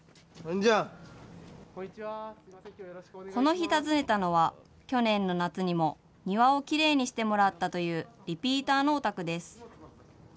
この日訪ねたのは、去年の夏にも庭をきれいにしてもらったというリピーターのお宅です。